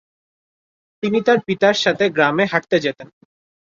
তিনি তার পিতার সাথে গ্রামে হাঁটতে যেতেন।